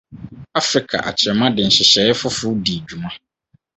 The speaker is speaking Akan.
Afrika akyerɛma de nhyehyɛe foforo dii dwuma.